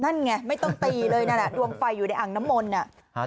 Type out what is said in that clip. นั่นไงไม่ต้องตีเลยนะดวงไฟอยู่ในอ่างน้ำมนต์